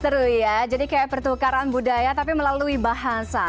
seru ya jadi kayak pertukaran budaya tapi melalui bahasa